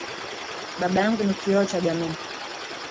Baba yangu ni kioo cha jamii.